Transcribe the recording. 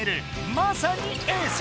まさにエース。